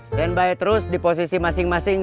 stand by terus di posisi masing masing